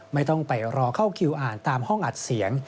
ไม่ต้องไปรอเข้าคิวอ่านตามห้องอัดเสียง